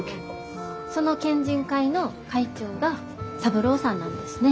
その県人会の会長が三郎さんなんですね。